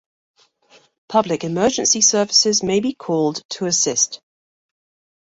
Public emergency services may be called to assist.